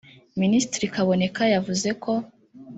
Minisitiri Kaboneka yavuze ko